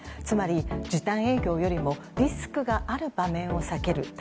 つまり、時短営業よりもリスクがある場面を避ける。